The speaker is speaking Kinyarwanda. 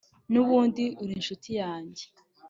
n’ubundi ur’inshuti yange